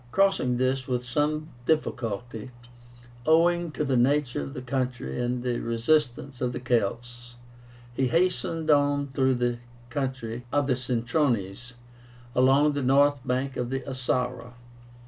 Crossing this with some difficulty, owing to the nature of the country and the resistance of the Celts, he hastened on through the country of the Centrónes, along the north bank of the Isara.